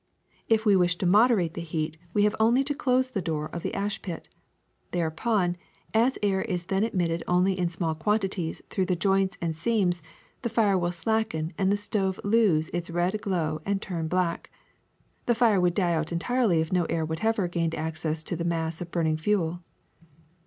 If we wish to moderate the heat, we have only to close the door of the ash pit. Thereupon, as air is then admitted only in small quantities through the joints and seams, the fire will slacken and the stove lose its red glow and turn black. The fire would die out entirely if no air whatever gained access to the mass of burning fuel.